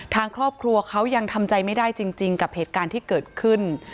ทางครอบครัวเขายังทำใจไม่ได้จริงกับเหตุการณ์ที่เกิดขึ้น